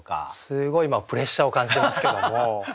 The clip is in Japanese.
すごい今プレッシャーを感じてますけども。